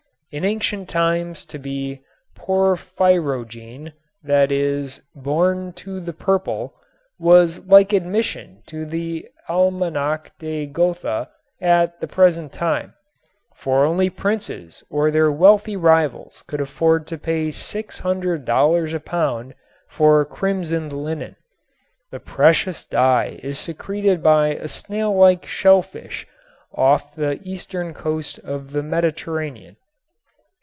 In ancient times to be "porphyrogene," that is "born to the purple," was like admission to the Almanach de Gotha at the present time, for only princes or their wealthy rivals could afford to pay $600 a pound for crimsoned linen. The precious dye is secreted by a snail like shellfish of the eastern coast of the Mediterranean.